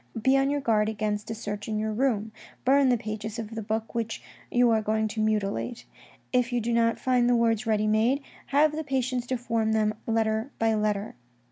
Be on your guard against a search in your room ; burn the pages of the book which you are going to mutilate. If you do not find the words ready made, have the patience to form them letter by letter.